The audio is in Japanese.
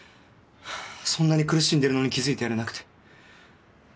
そんなに苦しんでるのに気付いてやれなくて